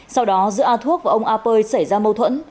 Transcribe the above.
sau đó giữa a thuốc và ông a pơi xảy ra mâu thuẫn